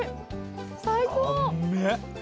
最高。